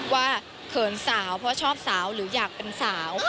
เขินสาวเพราะชอบสาวหรืออยากเป็นสาว